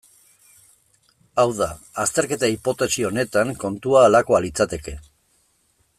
Hau da, azterketa hipotesi honetan kontua halakoa litzateke.